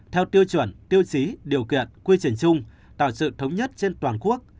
theo tiêu chuẩn tiêu chí điều kiện quy trình chung tạo sự thống nhất trên toàn quốc